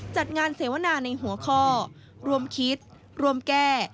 จัดงานเสวนาในหัวข้อรวมคิดรวมแก้